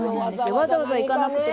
わざわざ行かなくても。